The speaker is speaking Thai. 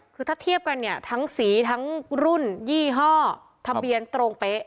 คือถ้าเทียบกันเนี่ยทั้งสีทั้งรุ่นยี่ห้อทะเบียนตรงเป๊ะ